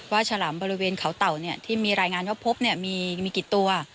ฉลามบริเวณเขาเต่าที่มีรายงานว่าพบมีกี่ตัว